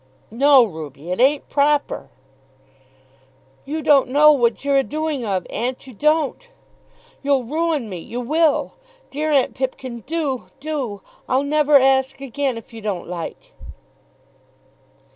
"No, Ruby; it ain't proper." "You don't know what you're a' doing of, aunt; you don't. You'll ruin me, you will. Dear Aunt Pipkin, do, do! I'll never ask again, if you don't like."